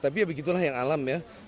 tapi ya begitulah yang alam ya